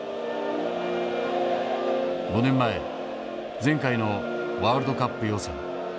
５年前前回のワールドカップ予選。